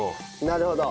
なるほど。